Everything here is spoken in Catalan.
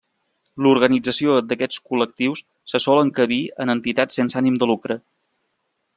L’organització d’aquests col·lectius se sol encabir en entitats sense ànim de lucre.